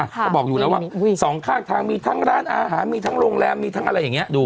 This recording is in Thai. เขาบอกอยู่แล้วว่าสองข้างทางมีทั้งร้านอาหารมีทั้งโรงแรมมีทั้งอะไรอย่างนี้ดู